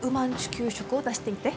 給食を出していて。